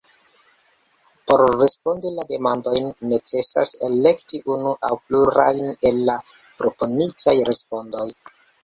Por respondi la demandojn necesas elekti unu aŭ plurajn el la proponitaj respondoj.